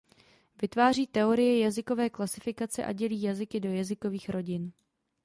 Vytváří teorie jazykové klasifikace a třídí jazyky do jazykových rodin.